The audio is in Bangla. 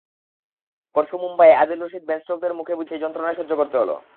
পরশু মুম্বাইয়ে আদিল রশিদ-বেন স্টোকসদের মুখ বুজে সেই যন্ত্রণাই সহ্য করতে হলো।